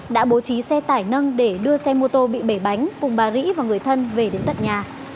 đã bố trí xe tải nâng để đưa xe mô tô bị bể bánh cùng bà ri và người thân về đến tận nhà